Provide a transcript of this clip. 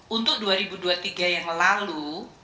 untuk dua ribu dua puluh tiga yang lalu